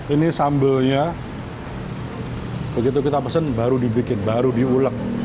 ini sambelnya begitu kita pesen baru dibikin baru diulek